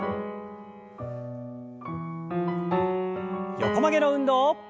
横曲げの運動。